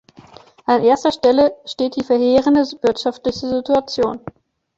An erster Stelle steht die verheerende wirtschaftliche Situation.